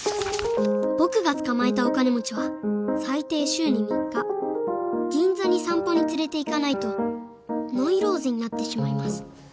僕が捕まえたお金持ちは最低週に３日銀座に散歩に連れていかないとノイローゼになってしまいます